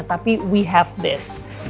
tapi kita punya produk ini